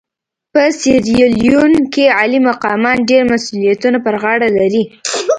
په سیریلیون کې عالي مقامان ډېر مسوولیتونه پر غاړه لري.